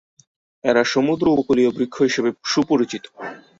এরা সমুদ্র-উপকূলীয় বৃক্ষ হিসেবে সুপরিচিত।